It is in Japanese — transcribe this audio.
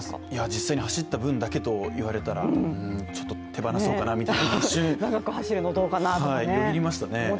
実際に走った分だけと言われたらちょっと手放そうかなというのが一瞬、よぎりましたね。